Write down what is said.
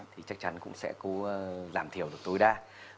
thì chắc chắn cũng sẽ cố giảm thiểu được tối đa